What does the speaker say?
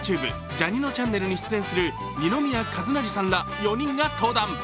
「ジャにのちゃんねる」に出演する二宮和也さんら４人が登壇。